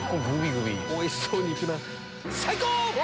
おいしそうにいくなぁ。